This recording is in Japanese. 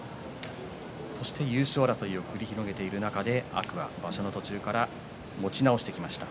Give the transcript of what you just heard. そして優勝争いを繰り広げている中で天空海が場所の途中から持ち直してきました。